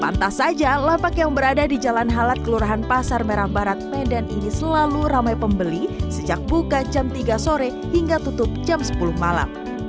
pantas saja lapak yang berada di jalan halat kelurahan pasar merah barat medan ini selalu ramai pembeli sejak buka jam tiga sore hingga tutup jam sepuluh malam